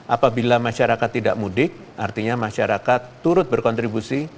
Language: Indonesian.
apabila masyarakat tidak mudik artinya masyarakat turut berkontribusi